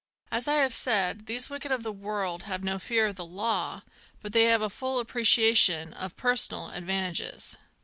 As I have said, these wicked of the world have no fear of the law, but they have a full appreciation of personal advantages.